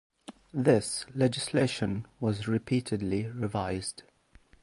This legislation was repeatedly revised.